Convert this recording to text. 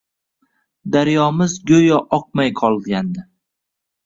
Daryomiz go’yo oqmay qolgandi.